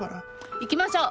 行きましょう！